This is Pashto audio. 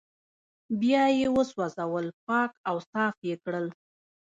بيا يې وسوځول پاک او صاف يې کړل